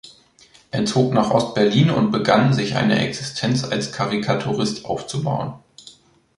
Er zog nach Ostberlin und begann, sich eine Existenz als Karikaturist aufzubauen.